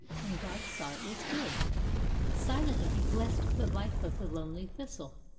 And God saw it was good. Silently He blessed the life of the lonely thistle.